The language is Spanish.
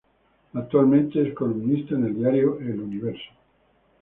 Actualmente es columnista en el diario El Universo.